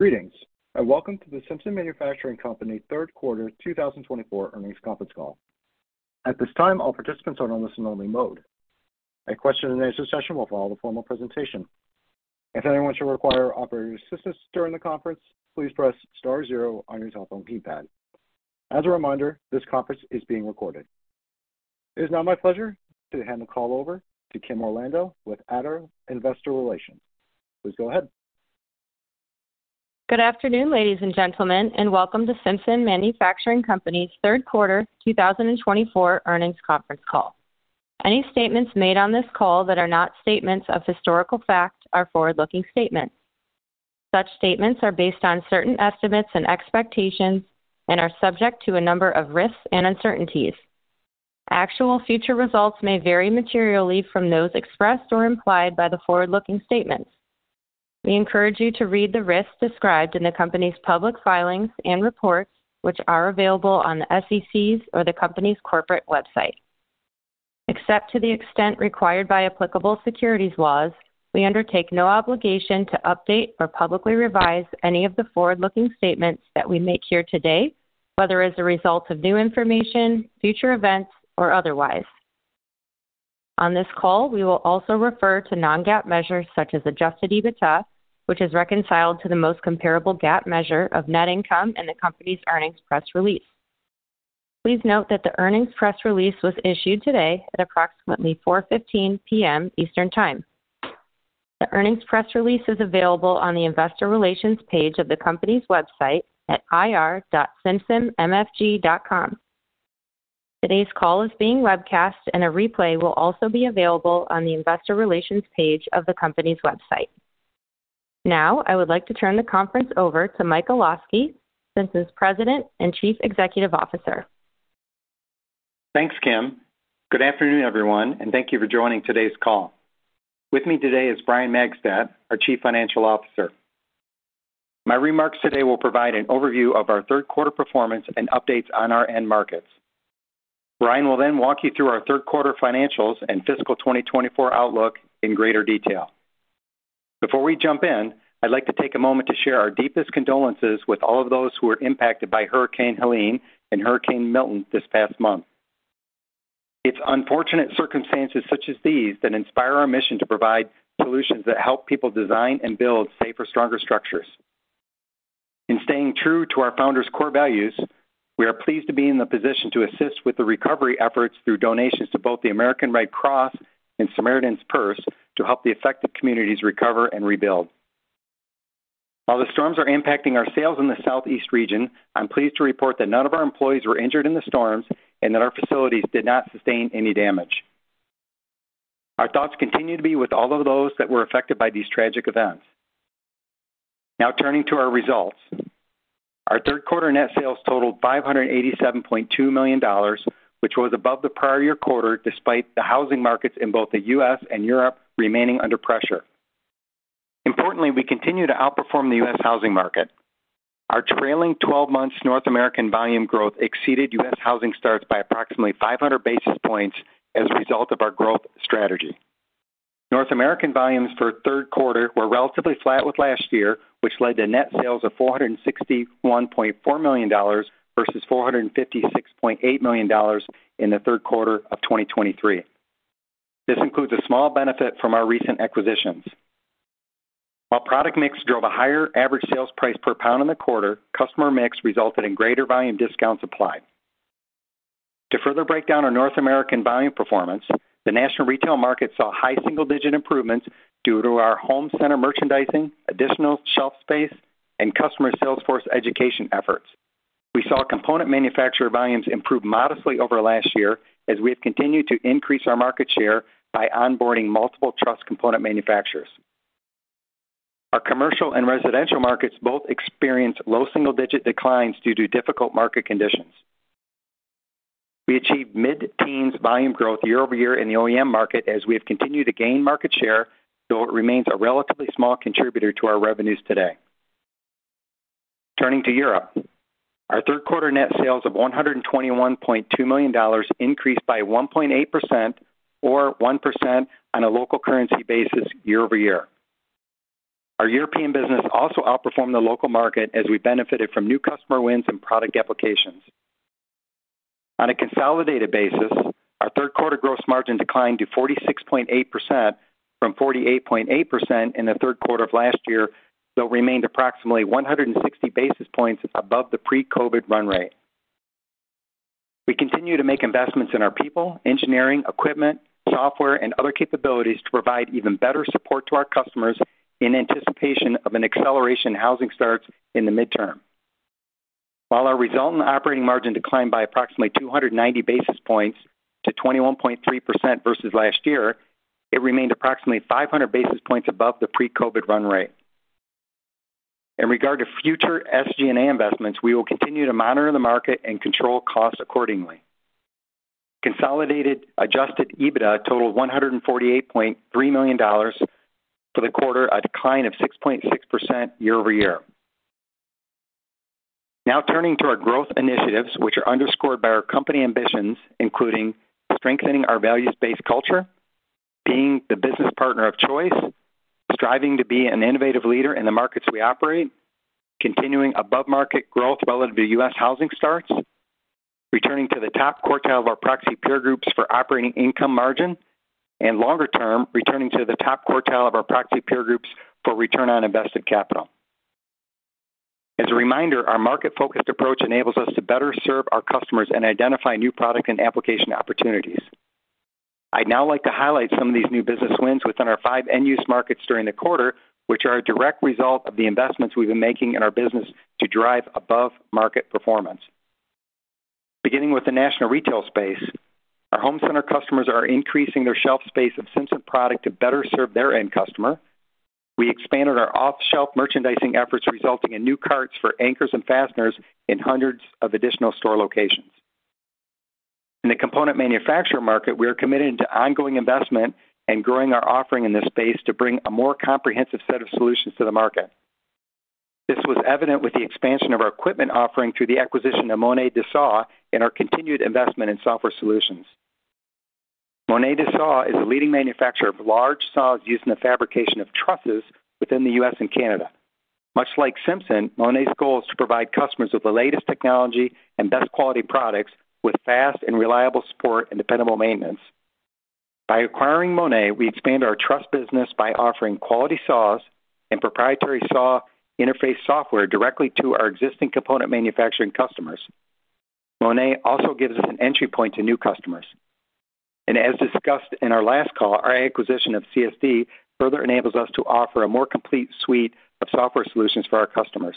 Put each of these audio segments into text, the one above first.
Greetings, and welcome to the Simpson Manufacturing Company Third Quarter 2024 Earnings Conference Call. At this time, all participants are on listen-only mode. A question-and-answer session will follow the formal presentation. If anyone should require operator assistance during the conference, please press star zero on your telephone keypad. As a reminder, this conference is being recorded. It is now my pleasure to hand the call over to Kim Orlando with ADDO Investor Relations. Please go ahead. Good afternoon, ladies and gentlemen, and welcome to Simpson Manufacturing Company's Third Quarter 2024 Earnings Conference Call. Any statements made on this call that are not statements of historical fact are forward-looking statements. Such statements are based on certain estimates and expectations and are subject to a number of risks and uncertainties. Actual future results may vary materially from those expressed or implied by the forward-looking statements. We encourage you to read the risks described in the company's public filings and reports, which are available on the SEC's or the company's corporate website. Except to the extent required by applicable securities laws, we undertake no obligation to update or publicly revise any of the forward-looking statements that we make here today, whether as a result of new information, future events, or otherwise. On this call, we will also refer to non-GAAP measures such as Adjusted EBITDA, which is reconciled to the most comparable GAAP measure of net income in the company's earnings press release. Please note that the earnings press release was issued today at approximately 4:15 P.M. Eastern Time. The earnings press release is available on the investor relations page of the company's website at ir.simpsonmfg.com. Today's call is being webcast, and a replay will also be available on the investor relations page of the company's website. Now, I would like to turn the conference over to Mike Olosky, Simpson's President and Chief Executive Officer. Thanks, Kim. Good afternoon, everyone, and thank you for joining today's call. With me today is Brian Magstadt, our Chief Financial Officer. My remarks today will provide an overview of our third quarter performance and updates on our end markets. Brian will then walk you through our third quarter financials and FY 2024 outlook in greater detail. Before we jump in, I'd like to take a moment to share our deepest condolences with all of those who were impacted by Hurricane Helene and Hurricane Milton this past month. It's unfortunate circumstances such as these that inspire our mission to provide solutions that help people design and build safer, stronger structures. In staying true to our founder's core values, we are pleased to be in the position to assist with the recovery efforts through donations to both the American Red Cross and Samaritan's Purse to help the affected communities recover and rebuild. While the storms are impacting our sales in the Southeast region, I'm pleased to report that none of our employees were injured in the storms and that our facilities did not sustain any damage. Our thoughts continue to be with all of those that were affected by these tragic events. Now, turning to our results. Our third quarter net sales totaled $587.2 million, which was above the prior year quarter, despite the housing markets in both the U.S. and Europe remaining under pressure. Importantly, we continue to outperform the U.S. housing market. Our trailing twelve months North American volume growth exceeded U.S. housing starts by approximately five hundred basis points as a result of our growth strategy. North American volumes for third quarter were relatively flat with last year, which led to net sales of $461.4 million versus $456.8 million in the third quarter of 2023. This includes a small benefit from our recent acquisitions. While product mix drove a higher average sales price per pound in the quarter, customer mix resulted in greater volume discounts applied. To further break down our North American volume performance, the national retail market saw high single-digit improvements due to our home center merchandising, additional shelf space, and customer salesforce education efforts. We saw component manufacturer volumes improve modestly over last year as we have continued to increase our market share by onboarding multiple truss component manufacturers. Our commercial and residential markets both experienced low single-digit declines due to difficult market conditions. We achieved mid-teens volume growth year-over-year in the OEM market as we have continued to gain market share, though it remains a relatively small contributor to our revenues today. Turning to Europe, our third quarter net sales of $121.2 million increased by 1.8% or 1% on a local currency basis year over year. Our European business also outperformed the local market as we benefited from new customer wins and product applications. On a consolidated basis, our third quarter gross margin declined to 46.8% from 48.8% in the third quarter of last year, though remained approximately one hundred and sixty basis points above the pre-COVID run rate. We continue to make investments in our people, engineering, equipment, software, and other capabilities to provide even better support to our customers in anticipation of an acceleration in housing starts in the midterm. While our resultant operating margin declined by approximately two hundred and ninety basis points to 21.3% versus last year, it remained approximately five hundred basis points above the pre-COVID run rate. In regard to future SG&A investments, we will continue to monitor the market and control costs accordingly. Consolidated adjusted EBITDADA totaled $148.3 million for the quarter, a decline of 6.6% year-over-year. Now turning to our growth initiatives, which are underscored by our company ambitions, including strengthening our values-based culture, being the business partner of choice, striving to be an innovative leader in the markets we operate, continuing above-market growth relative to U.S. housing starts, returning to the top quartile of our proxy peer groups for operating income margin, and longer term, returning to the top quartile of our proxy peer groups for return on invested capital. As a reminder, our market-focused approach enables us to better serve our customers and identify new product and application opportunities. I'd now like to highlight some of these new business wins within our five end-use markets during the quarter, which are a direct result of the investments we've been making in our business to drive above-market performance. Beginning with the national retail space, our home center customers are increasing their shelf space of Simpson product to better serve their end customer. We expanded our off-shelf merchandising efforts, resulting in new carts for anchors and fasteners in hundreds of additional store locations. In the component manufacturer market, we are committed to ongoing investment and growing our offering in this space to bring a more comprehensive set of solutions to the market. This was evident with the expansion of our equipment offering through the acquisition of Monet DeSauw and our continued investment in software solutions. Monet DeSauw is a leading manufacturer of large saws used in the fabrication of trusses within the U.S. and Canada. Much like Simpson, Monet's goal is to provide customers with the latest technology and best quality products, with fast and reliable support and dependable maintenance. By acquiring Monet, we expand our truss business by offering quality saws and proprietary saw interface software directly to our existing component manufacturing customers. Monet also gives us an entry point to new customers, and as discussed in our last call, our acquisition of CSD further enables us to offer a more complete suite of software solutions for our customers.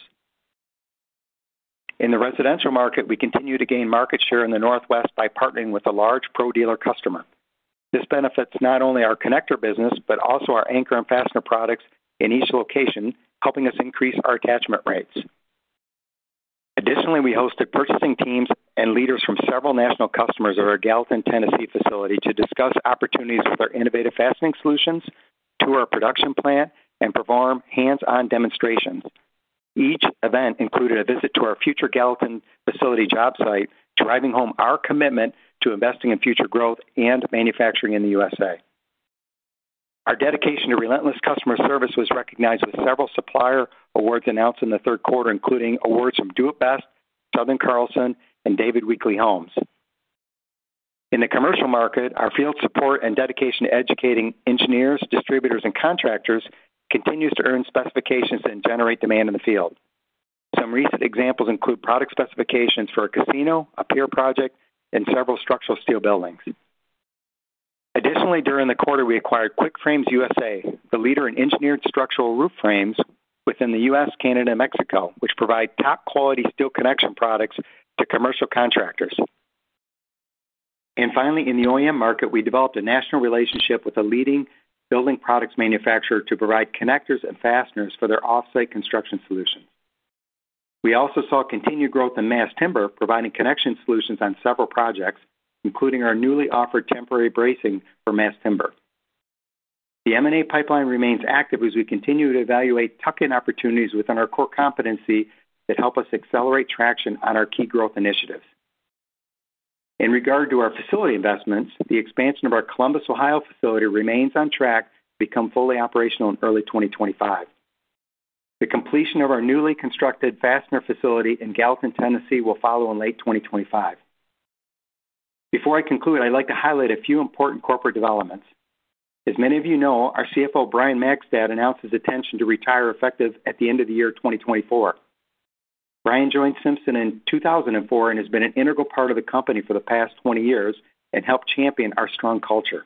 In the residential market, we continue to gain market share in the Northwest by partnering with a large pro dealer customer. This benefits not only our connector business, but also our anchor and fastener products in each location, helping us increase our attachment rates. Additionally, we hosted purchasing teams and leaders from several national customers at our Gallatin, Tennessee, facility to discuss opportunities with our innovative fastening solutions, tour our production plant, and perform hands-on demonstrations. Each event included a visit to our future Gallatin facility job site, driving home our commitment to investing in future growth and manufacturing in the USA. Our dedication to relentless customer service was recognized with several supplier awards announced in the third quarter, including awards from Do it Best, SouthernCarlson, and David Weekley Homes. In the commercial market, our field support and dedication to educating engineers, distributors, and contractors continues to earn specifications and generate demand in the field. Some recent examples include product specifications for a casino, a pier project, and several structural steel buildings. Additionally, during the quarter, we acquired QuickFrames USA, the leader in engineered structural roof frames within the US, Canada, and Mexico, which provide top-quality steel connection products to commercial contractors, and finally, in the OEM market, we developed a national relationship with a leading building products manufacturer to provide connectors and fasteners for their off-site construction solution. We also saw continued growth in mass timber, providing connection solutions on several projects, including our newly offered temporary bracing for mass timber. The M&A pipeline remains active as we continue to evaluate tuck-in opportunities within our core competency that help us accelerate traction on our key growth initiatives. In regard to our facility investments, the expansion of our Columbus, Ohio, facility remains on track to become fully operational in early 2025. The completion of our newly constructed fastener facility in Gallatin, Tennessee, will follow in late 2025. Before I conclude, I'd like to highlight a few important corporate developments. As many of you know, our CFO, Brian Magstadt, announced his intention to retire effective at the end of the year 2024. Brian joined Simpson in 2004 and has been an integral part of the company for the past 20 years and helped champion our strong culture.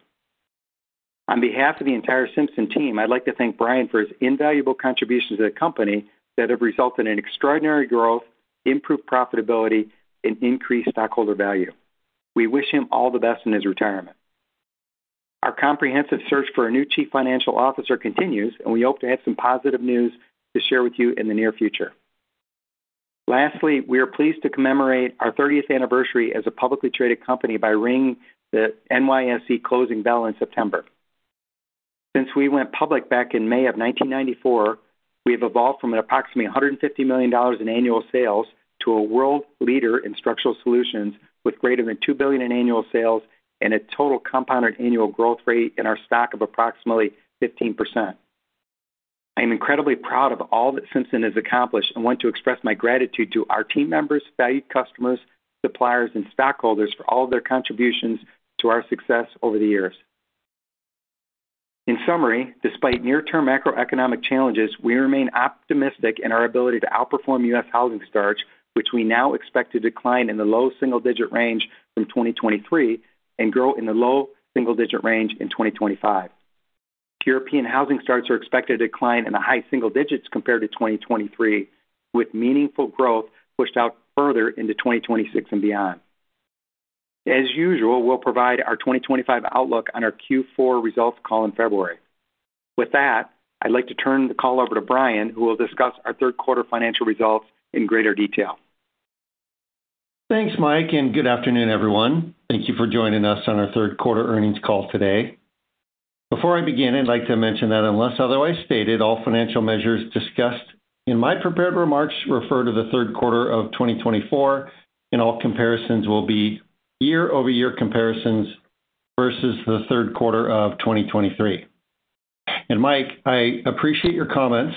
On behalf of the entire Simpson team, I'd like to thank Brian for his invaluable contributions to the company that have resulted in extraordinary growth, improved profitability, and increased shareholder value. We wish him all the best in his retirement. Our comprehensive search for a new Chief Financial Officer continues, and we hope to have some positive news to share with you in the near future. Lastly, we are pleased to commemorate our thirtieth anniversary as a publicly traded company by ringing the NYSE closing bell in September. Since we went public back in May of 1994, we have evolved from approximately $150 million in annual sales to a world leader in structural solutions, with greater than $2 billion in annual sales and a total compounded annual growth rate in our stock of approximately 15%. I am incredibly proud of all that Simpson has accomplished and want to express my gratitude to our team members, valued customers, suppliers, and stockholders for all their contributions to our success over the years. In summary, despite near-term macroeconomic challenges, we remain optimistic in our ability to outperform U.S. housing starts, which we now expect to decline in the low single-digit range from 2023 and grow in the low single-digit range in 2025. European housing starts are expected to decline in the high single digits compared to 2023, with meaningful growth pushed out further into 2026 and beyond. As usual, we'll provide our 2025 outlook on our Q4 results call in February. With that, I'd like to turn the call over to Brian, who will discuss our third quarter financial results in greater detail.... Thanks, Mike, and good afternoon, everyone. Thank you for joining us on our third quarter earnings call today. Before I begin, I'd like to mention that unless otherwise stated, all financial measures discussed in my prepared remarks refer to the third quarter of 2024, and all comparisons will be year-over-year comparisons versus the third quarter of 2023. And Mike, I appreciate your comments,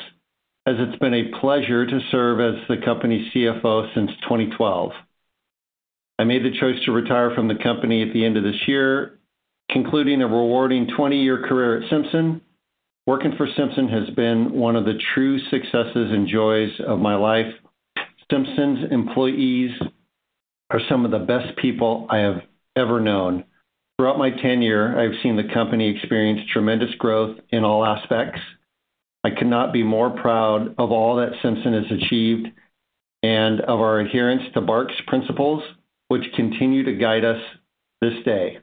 as it's been a pleasure to serve as the company's CFO since 2012. I made the choice to retire from the company at the end of this year, concluding a rewarding 20-year career at Simpson. Working for Simpson has been one of the true successes and joys of my life. Simpson's employees are some of the best people I have ever known. Throughout my tenure, I've seen the company experience tremendous growth in all aspects. I cannot be more proud of all that Simpson has achieved and of our adherence to Barc's principles, which continue to guide us this day.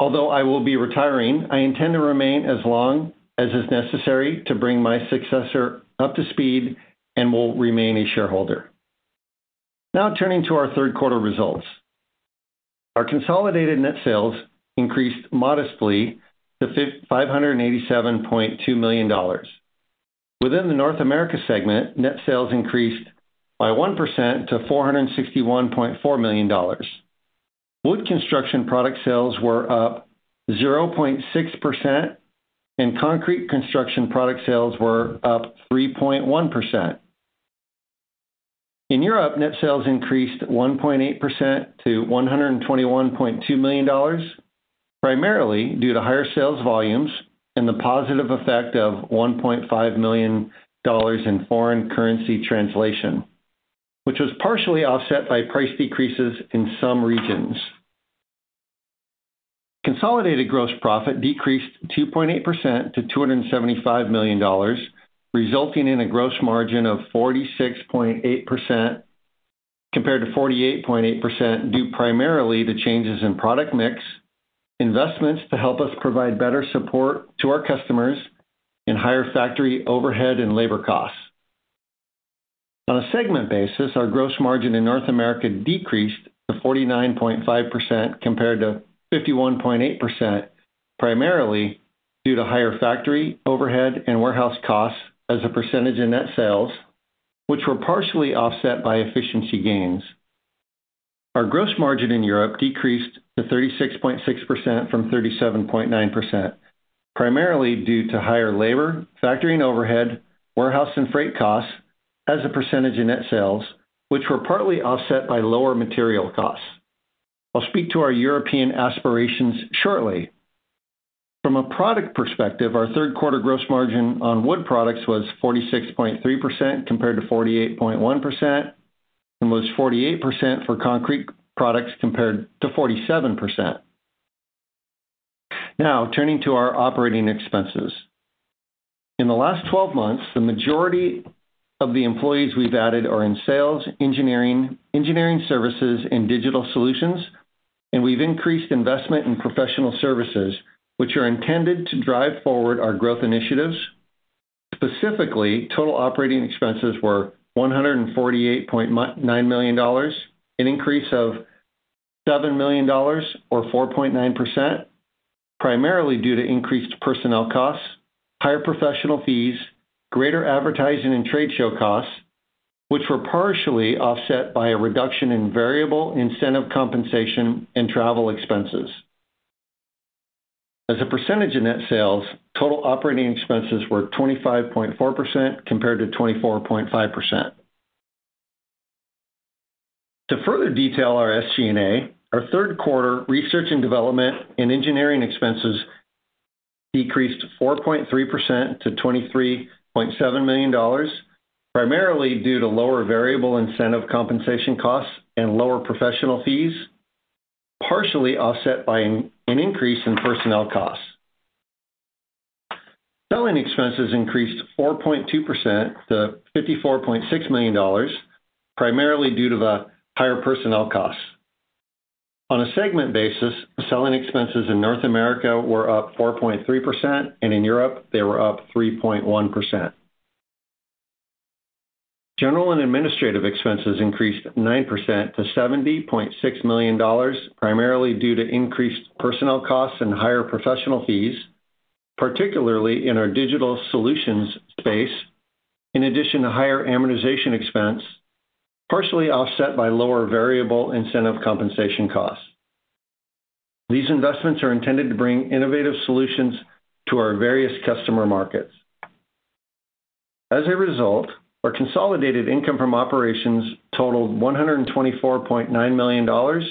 Although I will be retiring, I intend to remain as long as is necessary to bring my successor up to speed and will remain a shareholder. Now, turning to our third quarter results. Our consolidated net sales increased modestly to $587.2 million. Within the North America segment, net sales increased by 1% to $461.4 million. Wood construction product sales were up 0.6%, and concrete construction product sales were up 3.1%. In Europe, net sales increased 1.8% to $121.2 million, primarily due to higher sales volumes and the positive effect of $1.5 million in foreign currency translation, which was partially offset by price decreases in some regions. Consolidated gross profit decreased 2.8% to $275 million, resulting in a gross margin of 46.8%, compared to 48.8%, due primarily to changes in product mix, investments to help us provide better support to our customers, and higher factory overhead and labor costs. On a segment basis, our gross margin in North America decreased to 49.5% compared to 51.8%, primarily due to higher factory overhead and warehouse costs as a percentage of net sales, which were partially offset by efficiency gains. Our gross margin in Europe decreased to 36.6% from 37.9%, primarily due to higher labor, factory and overhead, warehouse and freight costs as a percentage of net sales, which were partly offset by lower material costs. I'll speak to our European aspirations shortly. From a product perspective, our third quarter gross margin on wood products was 46.3% compared to 48.1%, and was 48% for concrete products compared to 47%. Now, turning to our operating expenses. In the last twelve months, the majority of the employees we've added are in sales, engineering, engineering services, and digital solutions, and we've increased investment in professional services, which are intended to drive forward our growth initiatives. Specifically, total operating expenses were $148.9 million, an increase of $7 million or 4.9%, primarily due to increased personnel costs, higher professional fees, greater advertising and trade show costs, which were partially offset by a reduction in variable incentive compensation and travel expenses. As a percentage of net sales, total operating expenses were 25.4% compared to 24.5%. To further detail our SG&A, our third quarter research and development and engineering expenses decreased 4.3% to $23.7 million, primarily due to lower variable incentive compensation costs and lower professional fees, partially offset by an increase in personnel costs. Selling expenses increased 4.2% to $54.6 million, primarily due to the higher personnel costs. On a segment basis, selling expenses in North America were up 4.3%, and in Europe, they were up 3.1%. General and administrative expenses increased 9% to $70.6 million, primarily due to increased personnel costs and higher professional fees, particularly in our digital solutions space, in addition to higher amortization expense, partially offset by lower variable incentive compensation costs. These investments are intended to bring innovative solutions to our various customer markets. As a result, our consolidated income from operations totaled $124.9 million,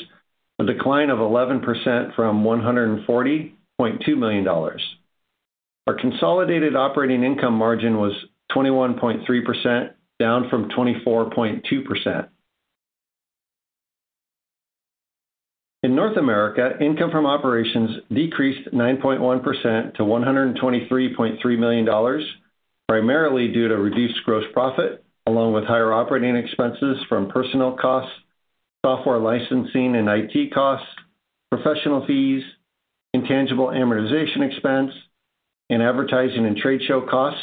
a decline of 11% from $140.2 million. Our consolidated operating income margin was 21.3%, down from 24.2%. In North America, income from operations decreased 9.1% to $123.3 million, primarily due to reduced gross profit, along with higher operating expenses from personnel costs, software licensing and IT costs, professional fees, intangible amortization expense, and advertising and trade show costs,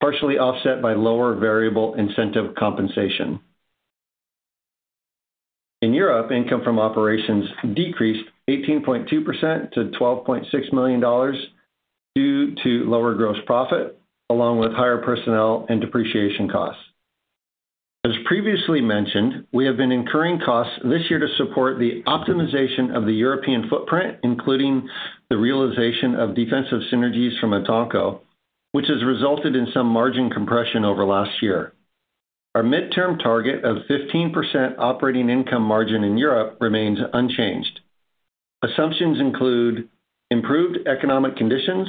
partially offset by lower variable incentive compensation. In Europe, income from operations decreased 18.2% to $12.6 million, due to lower gross profit, along with higher personnel and depreciation costs. As previously mentioned, we have been incurring costs this year to support the optimization of the European footprint, including the realization of defensive synergies from Etanco, which has resulted in some margin compression over last year. Our midterm target of 15% operating income margin in Europe remains unchanged. Assumptions include improved economic conditions,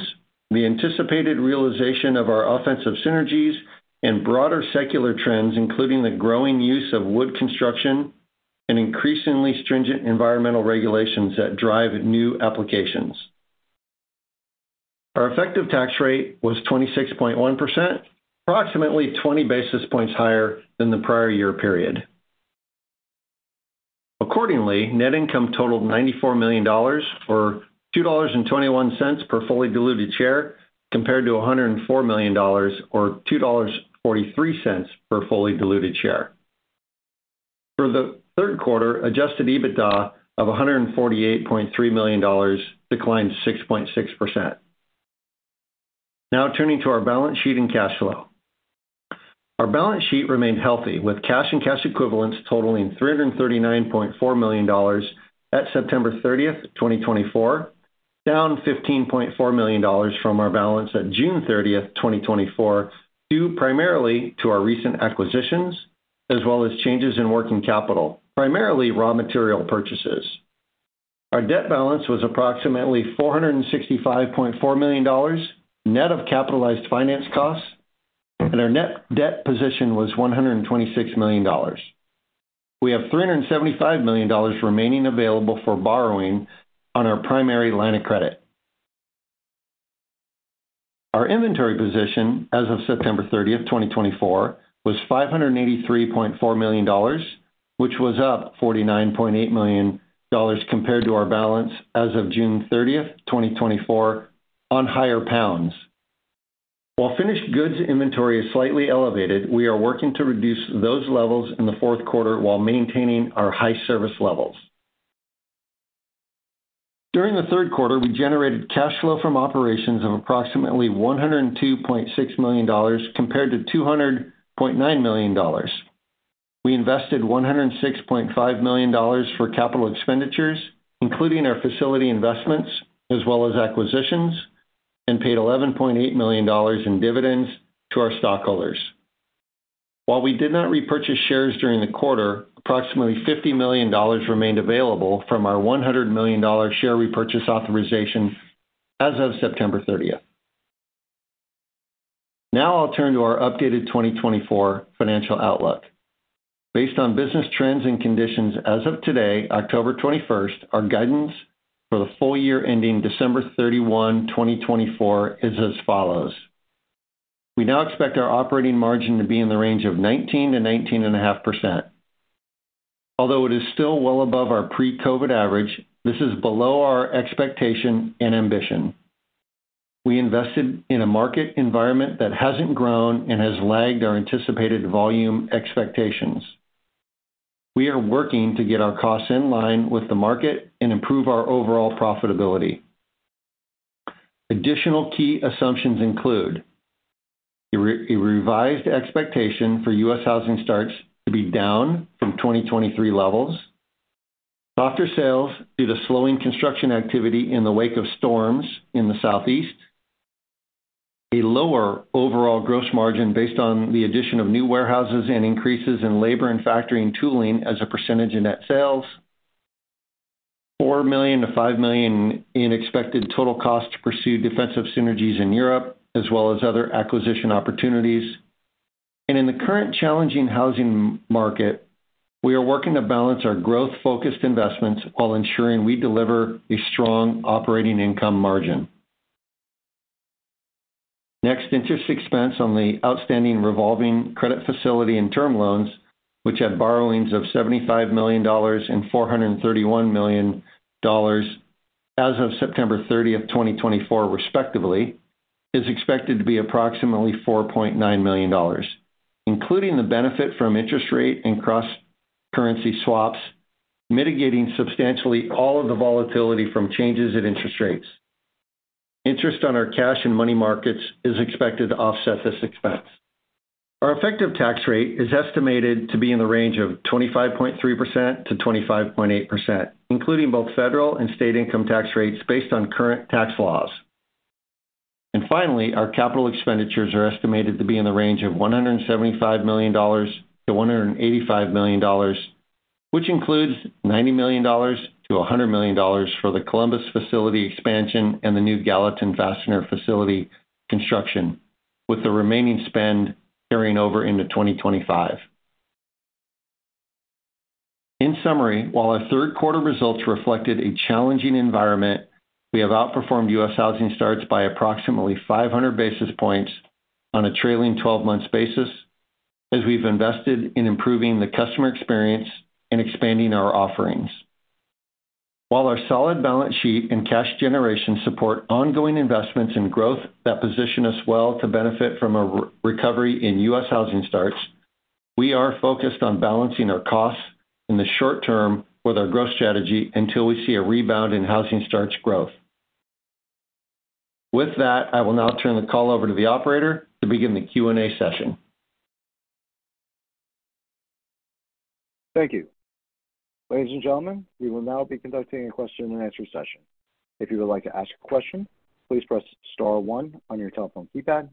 the anticipated realization of our offensive synergies, and broader secular trends, including the growing use of wood construction and increasingly stringent environmental regulations that drive new applications. Our effective tax rate was 26.1%, approximately 20 basis points higher than the prior year period. Accordingly, net income totaled $94 million, or $2.21 per fully diluted share, compared to $104 million, or $2.43 per fully diluted share. For the third quarter, Adjusted EBITDADA of $148.3 million declined to 6.6%. Now turning to our balance sheet and cash flow. Our balance sheet remained healthy, with cash and cash equivalents totaling $339.4 million at September 30th, 2024, down $15.4 million from our balance at June 30th, 2024, due primarily to our recent acquisitions, as well as changes in working capital, primarily raw material purchases. Our debt balance was approximately $465.4 million, net of capitalized finance costs, and our net debt position was $126 million. We have $375 million remaining available for borrowing on our primary line of credit. Our inventory position as of September 30th, 2024, was $583.4 million, which was up $49.8 million compared to our balance as of June 30th, 2024, on higher pounds. While finished goods inventory is slightly elevated, we are working to reduce those levels in the fourth quarter while maintaining our high service levels. During the third quarter, we generated cash flow from operations of approximately $102.6 million compared to $200.9 million. We invested $106.5 million for capital expenditures, including our facility investments as well as acquisitions, and paid $11.8 million in dividends to our stockholders. While we did not repurchase shares during the quarter, approximately $50 million remained available from our $100 million share repurchase authorization as of September 30th. Now I'll turn to our updated 2024 financial outlook. Based on business trends and conditions as of today, October 21st, our guidance for the full year ending December 31st, 2024, is as follows: We now expect our operating margin to be in the range of 19%-19.5%. Although it is still well above our pre-COVID average, this is below our expectation and ambition. We invested in a market environment that hasn't grown and has lagged our anticipated volume expectations. We are working to get our costs in line with the market and improve our overall profitability. Additional key assumptions include a revised expectation for U.S. housing starts to be down from 2023 levels, softer sales due to slowing construction activity in the wake of storms in the Southeast, a lower overall gross margin based on the addition of new warehouses and increases in labor and factory and tooling as a percentage of net sales, $4 million-$5 million in expected total cost to pursue defensive synergies in Europe, as well as other acquisition opportunities, and in the current challenging housing market, we are working to balance our growth-focused investments while ensuring we deliver a strong operating income margin. Next, interest expense on the outstanding revolving credit facility and term loans, which had borrowings of $75 million and $431 million as of September 30th, 2024, respectively, is expected to be approximately $4.9 million, including the benefit from interest rate and cross-currency swaps, mitigating substantially all of the volatility from changes in interest rates. Interest on our cash and money markets is expected to offset this expense. Our effective tax rate is estimated to be in the range of 25.3%-25.8%, including both federal and state income tax rates based on current tax laws. Finally, our capital expenditures are estimated to be in the range of $175 million-$185 million, which includes $90 million-$100 million for the Columbus facility expansion and the new Gallatin fastener facility construction, with the remaining spend carrying over into 2025. In summary, while our third quarter results reflected a challenging environment, we have outperformed U.S. housing starts by approximately 500 basis points on a trailing twelve-month basis, as we've invested in improving the customer experience and expanding our offerings. ...While our solid balance sheet and cash generation support ongoing investments in growth that position us well to benefit from a re-recovery in U.S. housing starts, we are focused on balancing our costs in the short term with our growth strategy until we see a rebound in housing starts growth. With that, I will now turn the call over to the operator to begin the Q&A session. Thank you. Ladies and gentlemen, we will now be conducting a question-and-answer session. If you would like to ask a question, please press star one on your telephone keypad,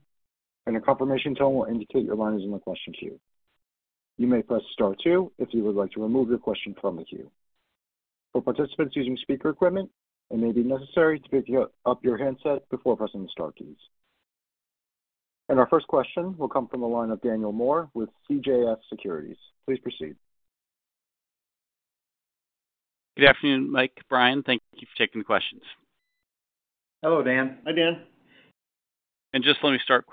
and a confirmation tone will indicate your line is in the question queue. You may press star two if you would like to remove your question from the queue. For participants using speaker equipment, it may be necessary to pick up your handset before pressing the star keys. And our first question will come from the line of Daniel Moore with CJS Securities. Please proceed. Good afternoon, Mike, Brian. Thank you for taking the questions. Hello, Dan. Hi, Dan. And just let me start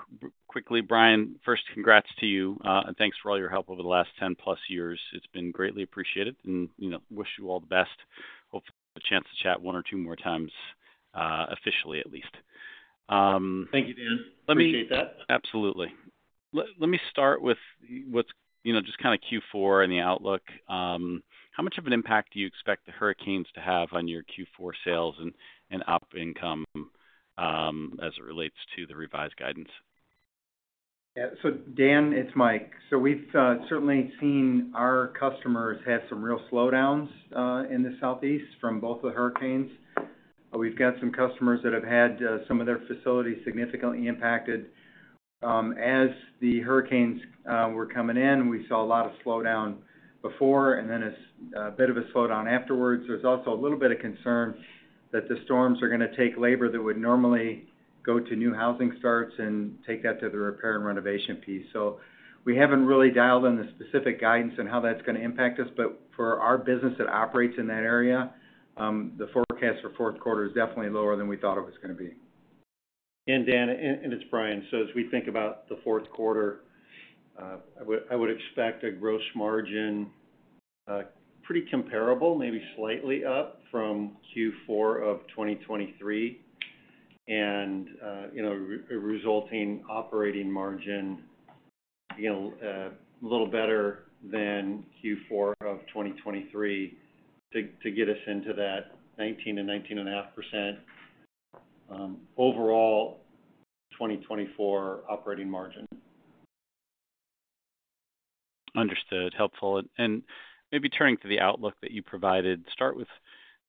quickly, Brian, first, congrats to you, and thanks for all your help over the last ten plus years. It's been greatly appreciated, and, you know, wish you all the best. Hopefully, a chance to chat one or two more times, officially, at least. Thank you, Dan. Appreciate that. Absolutely. Let me start with what's, you know, just kind of Q4 and the outlook. How much of an impact do you expect the hurricanes to have on your Q4 sales and op income, as it relates to the revised guidance? Yeah. So Dan, it's Mike. So we've certainly seen our customers have some real slowdowns in the Southeast from both the hurricanes. We've got some customers that have had some of their facilities significantly impacted. As the hurricanes were coming in, we saw a lot of slowdown before, and then a bit of a slowdown afterwards. There's also a little bit of concern that the storms are going to take labor that would normally go to new housing starts and take that to the repair and renovation piece. So we haven't really dialed in the specific guidance on how that's going to impact us, but for our business that operates in that area, the forecast for fourth quarter is definitely lower than we thought it was going to be. Dan, it's Brian. So as we think about the fourth quarter, I would expect a gross margin pretty comparable, maybe slightly up from Q4 of 2023. And you know, a resulting operating margin, you know, a little better than Q4 of 2023, to get us into that 19%-19.5%, overall 2024 operating margin. Understood. Helpful and maybe turning to the outlook that you provided, start with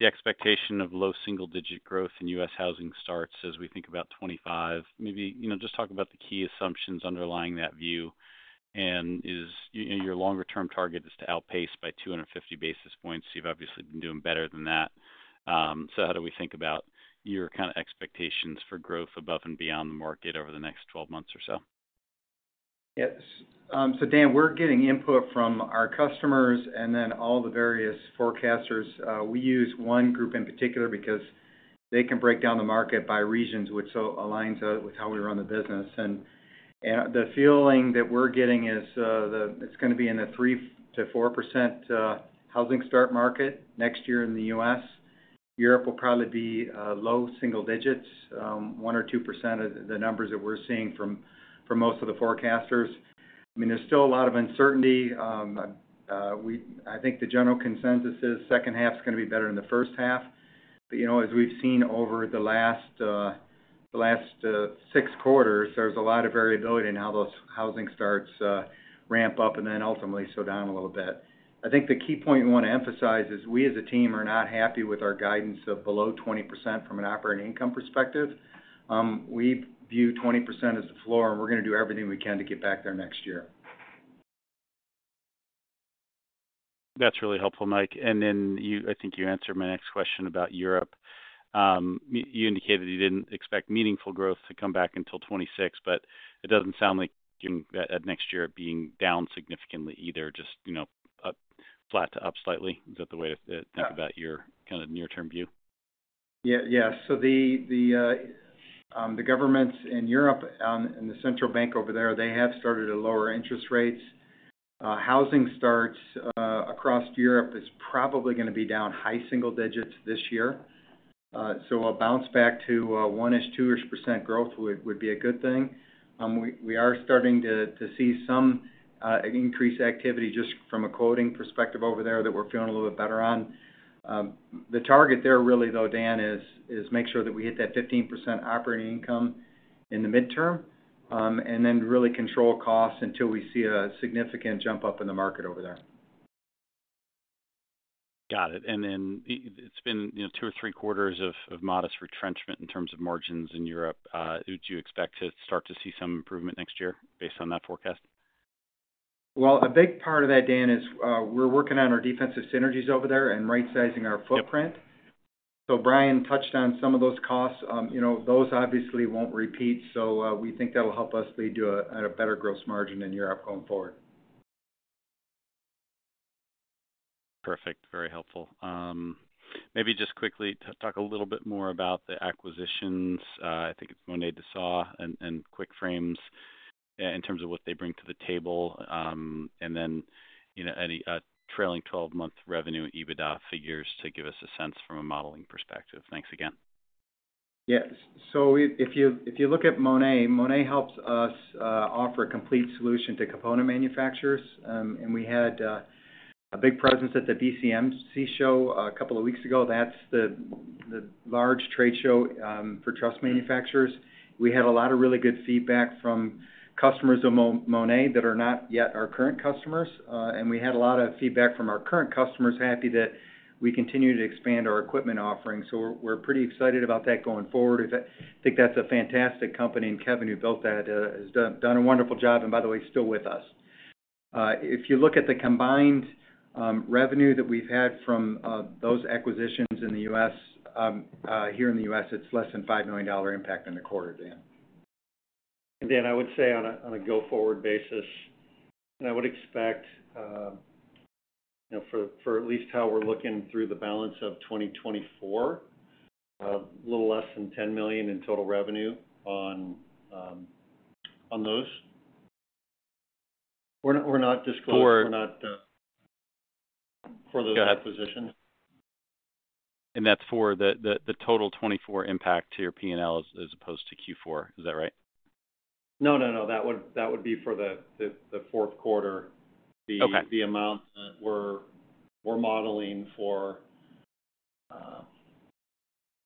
the expectation of low single-digit growth in U.S. housing starts as we think about 2025. Maybe, you know, just talk about the key assumptions underlying that view. And, you know, your longer-term target is to outpace by 250 basis points. You've obviously been doing better than that, so how do we think about your kind of expectations for growth above and beyond the market over the next 12 months or so? Yes. So Dan, we're getting input from our customers and then all the various forecasters. We use one group in particular because they can break down the market by regions, which so aligns with how we run the business. And the feeling that we're getting is it's going to be in a 3%-4% housing starts market next year in the U.S. Europe will probably be low single digits, 1%-2% of the numbers that we're seeing from most of the forecasters. I mean, there's still a lot of uncertainty. I think the general consensus is second half is going to be better than the first half. You know, as we've seen over the last six quarters, there's a lot of variability in how those housing starts ramp up and then ultimately slow down a little bit. I think the key point we want to emphasize is we as a team are not happy with our guidance of below 20% from an operating income perspective. We view 20% as the floor, and we're going to do everything we can to get back there next year. That's really helpful, Mike. I think you answered my next question about Europe. You indicated you didn't expect meaningful growth to come back until 2026, but it doesn't sound like next year being down significantly either, just, you know, up, flat to up slightly. Is that the way to think about your kind of near-term view? Yeah. Yeah. So the governments in Europe and the central bank over there, they have started to lower interest rates. Housing starts across Europe is probably going to be down high single digits this year. So a bounce back to one-ish, two-ish percent growth would be a good thing. We are starting to see some increased activity just from a quoting perspective over there that we're feeling a little bit better on. The target there really, though, Dan, is make sure that we hit that 15% operating income in the midterm, and then really control costs until we see a significant jump up in the market over there. Got it. And then it's been, you know, two or three quarters of modest retrenchment in terms of margins in Europe. Do you expect to start to see some improvement next year based on that forecast? A big part of that, Dan, is, we're working on our defensive synergies over there and rightsizing our footprint. Yep. So Brian touched on some of those costs. You know, those obviously won't repeat, so, we think that'll help us lead to a, at a better gross margin in Europe going forward. Perfect. Very helpful. Maybe just quickly to talk a little bit more about the acquisitions, I think it's Monet DeSauw and QuickFrames. Yeah, in terms of what they bring to the table, and then, you know, any trailing twelve-month revenue, EBITDA figures to give us a sense from a modeling perspective. Thanks again. Yes. So if you look at Monet, Monet helps us offer a complete solution to component manufacturers. And we had a big presence at the DCMC show a couple of weeks ago. That's the large trade show for truss manufacturers. We had a lot of really good feedback from customers of Monet that are not yet our current customers, and we had a lot of feedback from our current customers, happy that we continue to expand our equipment offerings. So we're pretty excited about that going forward. I think that's a fantastic company, and Kevin, who built that, has done a wonderful job, and by the way, he's still with us. If you look at the combined revenue that we've had from those acquisitions in the U.S., here in the U.S., it's less than $5 million impact in the quarter, Dan. And Dan, I would say on a go-forward basis, and I would expect, you know, for at least how we're looking through the balance of 2024, a little less than $10 million in total revenue on those. We're not disclosing- For- We're not for those acquisitions. Go ahead, and that's for the total 2024 impact to your P&L as opposed to Q4. Is that right? No, no, no, that would be for the fourth quarter. Okay. The amount that we're modeling for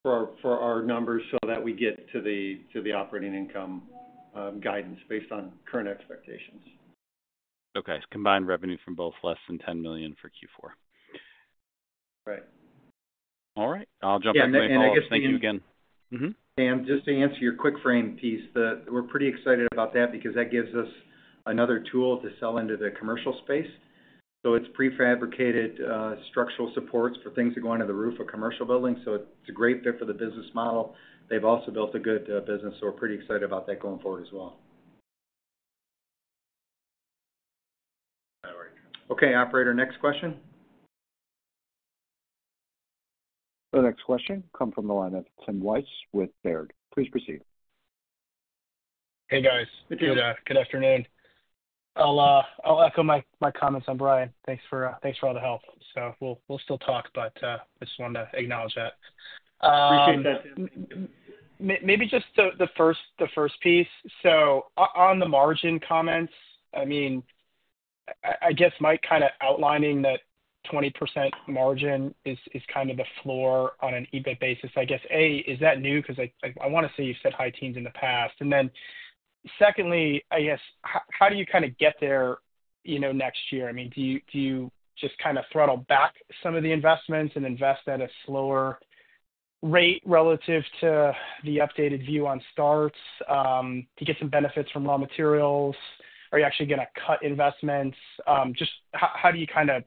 our numbers so that we get to the operating income guidance based on current expectations. Okay. Combined revenue from both, less than $10 million for Q4. Right. All right. I'll jump back and follow up with you again. Yeah, and I guess, Dan- Mm-hmm. Dan, just to answer your QuickFrame piece, we're pretty excited about that because that gives us another tool to sell into the commercial space, so it's prefabricated structural supports for things that go under the roof of commercial buildings, so it's a great fit for the business model. They've also built a good business, so we're pretty excited about that going forward as well. All right. Okay, operator, next question. The next question comes from the line of Tim Wojs with Baird. Please proceed. Hey, guys. Hey, Tim. Good afternoon. I'll echo my comments on Brian. Thanks for all the help. So we'll still talk, but I just wanted to acknowledge that. Appreciate that. Maybe just the first piece. So on the margin comments, I mean, I guess Mike kind of outlining that 20% margin is kind of the floor on an EBITDA basis. I guess, is that new? Because I want to say you said high teens in the past. And then secondly, I guess, how do you kind of get there, you know, next year? I mean, do you just kind of throttle back some of the investments and invest at a slower rate relative to the updated view on starts to get some benefits from raw materials? Are you actually going to cut investments? Just how do you kind of,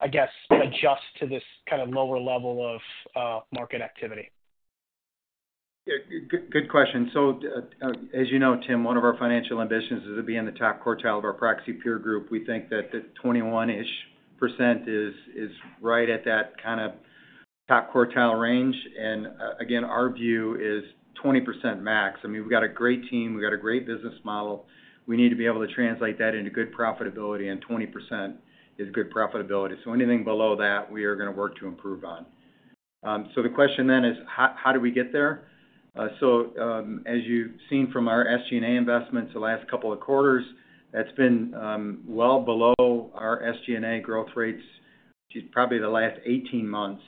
I guess, adjust to this kind of lower level of market activity? Yeah, good, good question. So, as you know, Tim, one of our financial ambitions is to be in the top quartile of our proxy peer group. We think that the 21%-ish is right at that kind of top quartile range. And, again, our view is 20% max. I mean, we've got a great team. We've got a great business model. We need to be able to translate that into good profitability, and 20% is good profitability. So anything below that, we are going to work to improve on. So the question then is: How do we get there? As you've seen from our SG&A investments the last couple of quarters, that's been well below our SG&A growth rates to probably the last 18 months.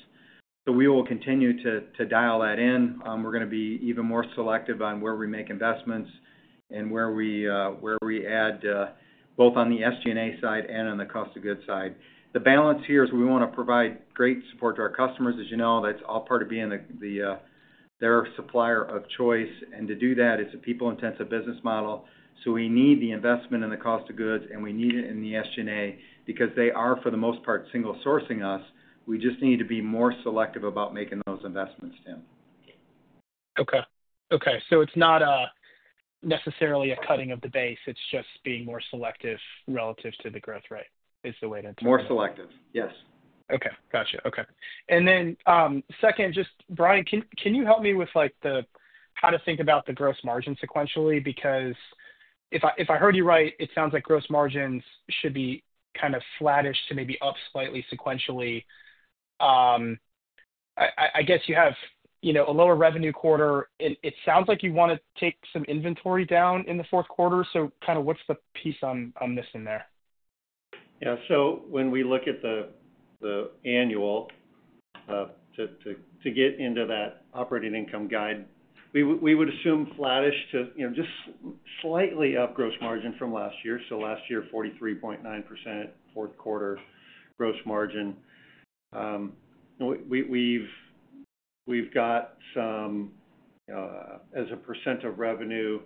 So we will continue to dial that in. We're going to be even more selective on where we make investments and where we add both on the SG&A side and on the cost of goods side. The balance here is we want to provide great support to our customers. As you know, that's all part of being their supplier of choice, and to do that, it's a people-intensive business model, so we need the investment in the cost of goods, and we need it in the SG&A because they are, for the most part, single-sourcing us. We just need to be more selective about making those investments, Tim. Okay. Okay, so it's not necessarily a cutting of the base, it's just being more selective relative to the growth rate, is the way to- More selective, yes. Okay. Gotcha. Okay. And then, second, just Brian, can you help me with, like, how to think about the gross margin sequentially? Because if I heard you right, it sounds like gross margins should be kind of flattish to maybe up slightly sequentially. I guess you have, you know, a lower revenue quarter. It sounds like you want to take some inventory down in the fourth quarter. So kind of what's the piece I'm missing there? Yeah. So when we look at the annual to get into that operating income guide, we would assume flattish to, you know, just slightly up gross margin from last year. So last year, 43.9%, fourth quarter gross margin. We've got some as a percent of revenue,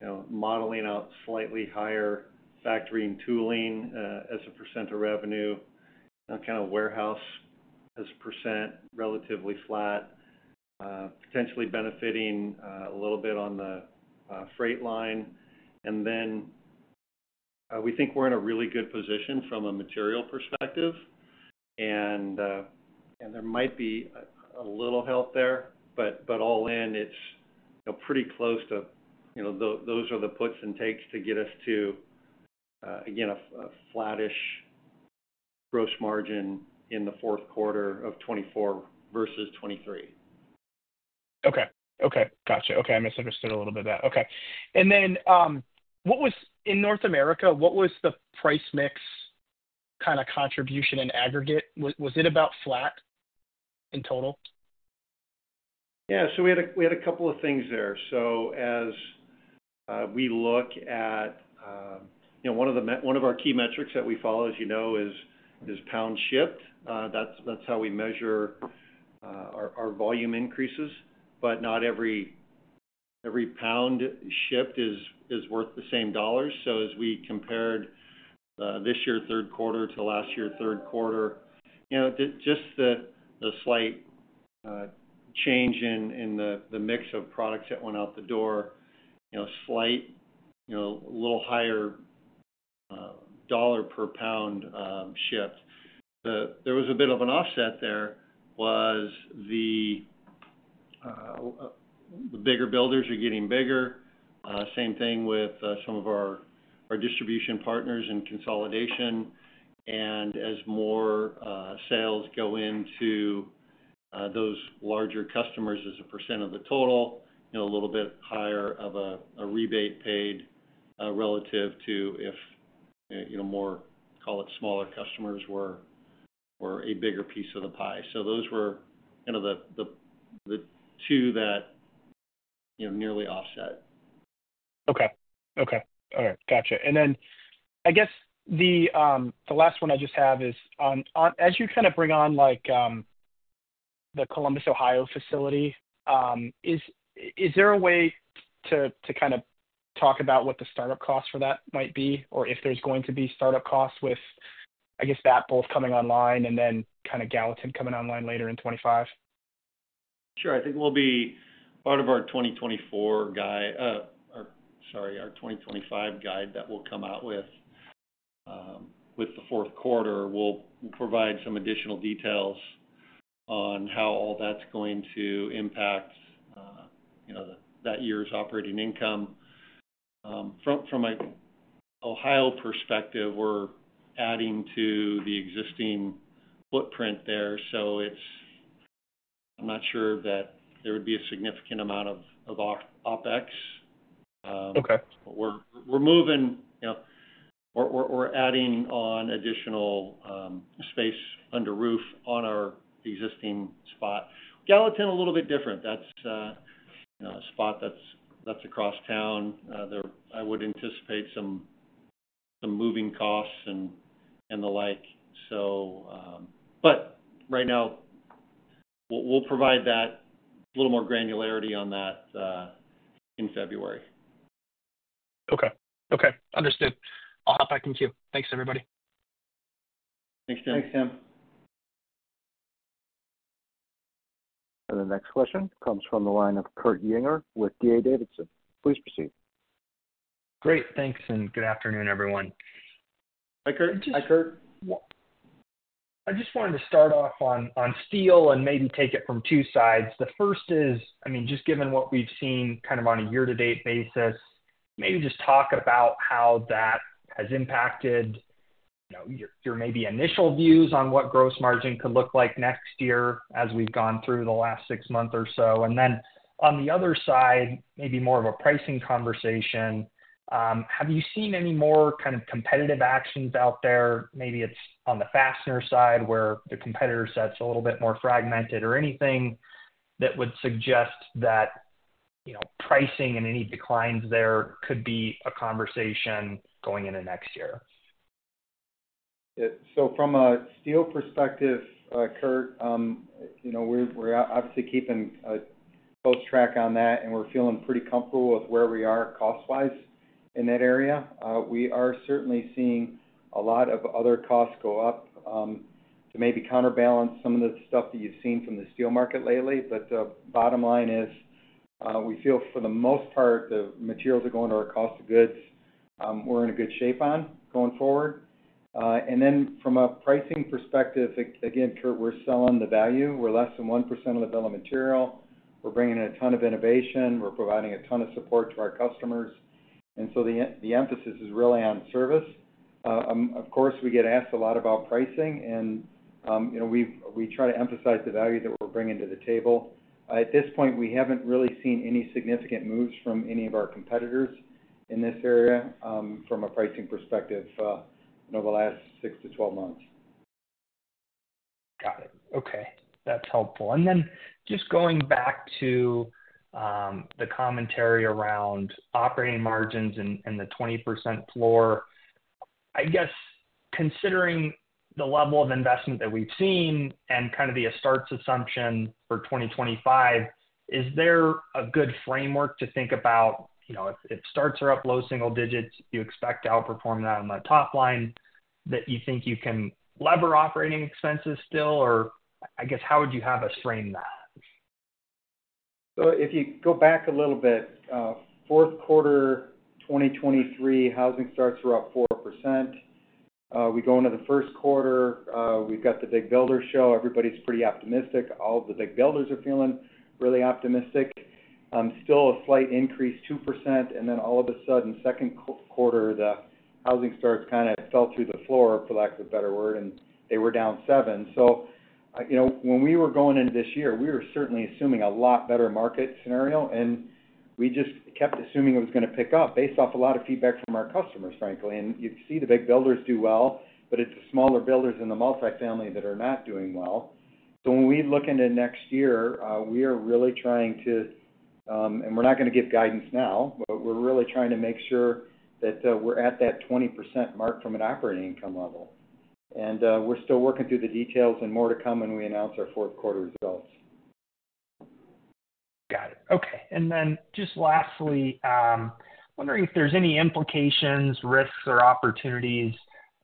you know, modeling out slightly higher factory and tooling as a percent of revenue, kind of warehouse as a percent, relatively flat. Potentially benefiting a little bit on the freight line. And then-... We think we're in a really good position from a material perspective, and there might be a little help there, but all in, it's, you know, pretty close to, you know, those are the puts and takes to get us to, again, a flattish gross margin in the fourth quarter of 2024 versus 2023. Okay. Okay, gotcha. Okay, I misunderstood a little bit of that. Okay. And then, in North America, what was the price mix kind of contribution in aggregate? Was it about flat in total? Yeah. So we had a couple of things there. So as we look at, you know, one of our key metrics that we follow, as you know, is pound shipped. That's how we measure our volume increases, but not every pound shipped is worth the same dollar. So as we compared this year, third quarter to last year, third quarter, you know, just the slight change in the mix of products that went out the door, you know, slight, you know, a little higher dollar per pound shipped. There was a bit of an offset there, was the bigger builders are getting bigger. Same thing with some of our distribution partners in consolidation. As more sales go into those larger customers as a percent of the total, you know, a little bit higher of a rebate paid relative to if, you know, more, call it, smaller customers were a bigger piece of the pie. So those were kind of the two that, you know, nearly offset. Okay. All right, gotcha. And then, I guess, the last one I just have is on, on-- As you kind of bring on, like, the Columbus, Ohio facility, is there a way to kind of talk about what the startup costs for that might be, or if there's going to be startup costs with, I guess, that both coming online and then kind of Gallatin coming online later in 2025? Sure. I think we'll be part of our 2024 guide, or sorry, our 2025 guide that we'll come out with with the fourth quarter, we'll provide some additional details on how all that's going to impact, you know, that year's operating income. From an Ohio perspective, we're adding to the existing footprint there, so it's. I'm not sure that there would be a significant amount of OpEx. Okay. We're moving, you know. We're adding on additional space under roof on our existing spot. Gallatin, a little bit different. That's a spot, you know, that's across town. There, I would anticipate some moving costs and the like. So, but right now, we'll provide that, a little more granularity on that, in February. Okay. Okay, understood. I'll hop back in queue. Thanks, everybody. Thanks, Tim. Thanks, Tim. The next question comes from the line of Kurt Yinger with D.A. Davidson. Please proceed. Great. Thanks, and good afternoon, everyone. Hi, Kurt Hi, Kurt. I just wanted to start off on steel and maybe take it from two sides. The first is, I mean, just given what we've seen kind of on a year to date basis, maybe just talk about how that has impacted, you know, your maybe initial views on what gross margin could look like next year as we've gone through the last six months or so. And then on the other side, maybe more of a pricing conversation, have you seen any more kind of competitive actions out there? Maybe it's on the fastener side, where the competitor set is a little bit more fragmented, or anything that would suggest that, you know, pricing and any declines there could be a conversation going into next year. Yeah. So from a steel perspective, Kurt, you know, we're, we're obviously keeping a close track on that, and we're feeling pretty comfortable with where we are cost-wise in that area. We are certainly seeing a lot of other costs go up, to maybe counterbalance some of the stuff that you've seen from the steel market lately. But the bottom line is, we feel for the most part, the materials that go into our cost of goods, we're in a good shape on going forward. And then from a pricing perspective, again, Kurt, we're selling the value. We're less than 1% of the bill of material. We're bringing in a ton of innovation. We're providing a ton of support to our customers, and so the emphasis is really on service. Of course, we get asked a lot about pricing, and, you know, we try to emphasize the value that we're bringing to the table. At this point, we haven't really seen any significant moves from any of our competitors in this area, from a pricing perspective, over the last six to 12 months. Got it. Okay, that's helpful. And then just going back to the commentary around operating margins and the 20% floor. I guess, considering the level of investment that we've seen and kind of the housing starts assumption for 2025, is there a good framework to think about, you know, if starts are up low single digits, do you expect to outperform that on the top line, that you think you can leverage operating expenses still? Or, I guess, how would you have us frame that?... So if you go back a little bit, fourth quarter, 2023, housing starts were up 4%. We go into the first quarter, we've got the big builder show. Everybody's pretty optimistic. All of the big builders are feeling really optimistic. Still a slight increase, 2%, and then all of a sudden, second quarter, the housing starts kind of fell through the floor, for lack of a better word, and they were down 7%. So, you know, when we were going into this year, we were certainly assuming a lot better market scenario, and we just kept assuming it was gonna pick up based off a lot of feedback from our customers, frankly. And you see the big builders do well, but it's the smaller builders in the multifamily that are not doing well. So when we look into next year, we are really trying to, and we're not gonna give guidance now, but we're really trying to make sure that we're at that 20% mark from an operating income level. And, we're still working through the details and more to come when we announce our fourth quarter results. Got it. Okay, and then just lastly, wondering if there's any implications, risks or opportunities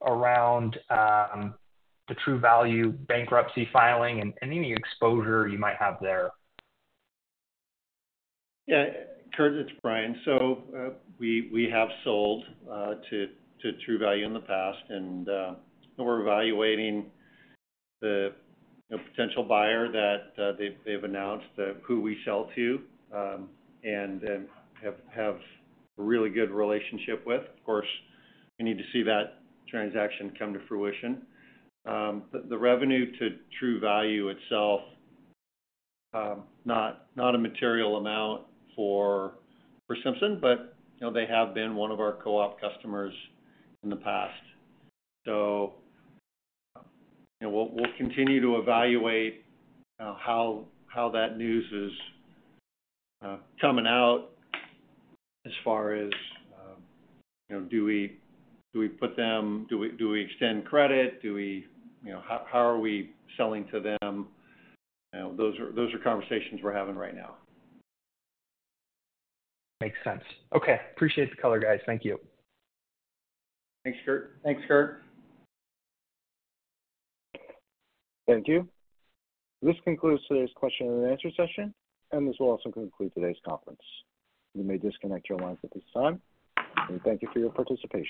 around the True Value bankruptcy filing and any exposure you might have there? Yeah, Kurt, it's Brian. So, we have sold to True Value in the past, and we're evaluating the potential buyer that they've announced who we sell to and have a really good relationship with. Of course, we need to see that transaction come to fruition. The revenue to True Value itself not a material amount for Simpson, but you know, they have been one of our co-op customers in the past. So, you know, we'll continue to evaluate how that news is coming out as far as you know, do we put them do we extend credit? Do we... You know, how are we selling to them? You know, those are conversations we're having right now. Makes sense. Okay. Appreciate the color, guys. Thank you. Thanks, Kurt. Thanks, Kurt. Thank you. This concludes today's question and answer session, and this will also conclude today's conference. You may disconnect your lines at this time, and thank you for your participation.